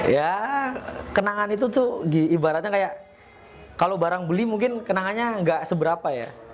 ya kenangan itu tuh ibaratnya kayak kalau barang beli mungkin kenangannya nggak seberapa ya